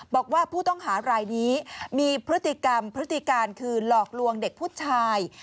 บอกว่าผู้ต้องหารายนี้มีพฤติกรรมพฤติการคือหลอกลวงเด็กผู้ชาย